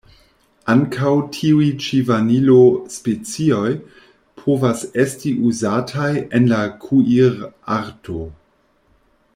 Ankaŭ tiuj ĉi Vanilo-specioj povas esti uzataj en la kuirarto.